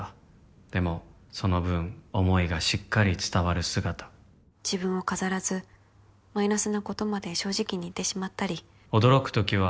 「でもその分思いがしっかり伝わる姿」「自分を飾らずマイナスなことまで正直に言ってしまったり」「驚く時は」